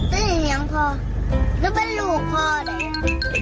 ถือกจิ้นอย่างพ่อนั่นเป็นลูกพ่อเลย